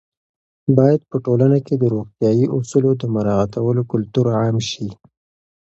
باید په ټولنه کې د روغتیايي اصولو د مراعاتولو کلتور عام شي.